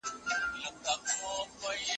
که هڅه وسي ټولنه پرمختګ کوي.